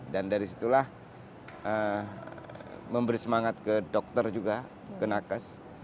dan dari situlah memberi semangat ke dokter juga ke nakes